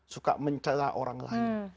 suka mencela orang lain